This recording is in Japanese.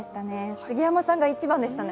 杉山さんが１番でしたね。